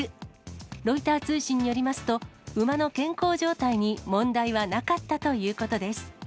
ロイター通信によりますと、馬の健康状態に問題はなかったということです。